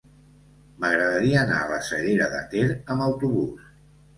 M'agradaria anar a la Cellera de Ter amb autobús.